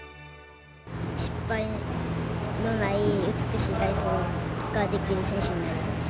失敗のない、美しい体操ができる選手になりたいです。